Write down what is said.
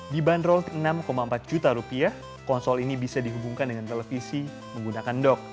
di bandrol enam empat juta rupiah konsol ini bisa dihubungkan dengan televisi menggunakan dock